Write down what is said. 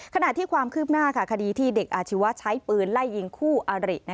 ขณะที่ความคืบหน้าคดีที่เด็กอาชีวะใช้ปืนไล่ยิงคู่อาริ